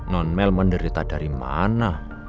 non mel menderita dari mana